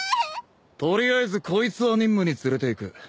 取りあえずこいつは任務に連れていく。